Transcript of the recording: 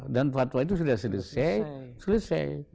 dan fatwa itu sudah selesai